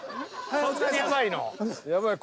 そんなにやばいの？